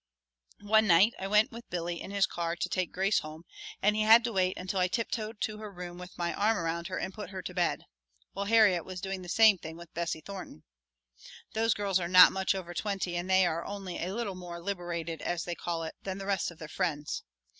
One night I went with Billy in his car to take Grace home and he had to wait until I tiptoed to her room with my arm around her and put her to bed, while Harriet was doing the same thing with Bessie Thornton. Those girls are not much over twenty and they are only a little more "liberated," as they call it, than the rest of their friends.